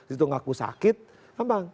itu ngaku sakit kembang